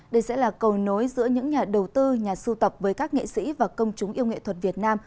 đây sẽ là cầu nối giữa những nhà đầu tư nhà sưu tập với các nghệ sĩ và công chúng yêu nghệ thuật việt nam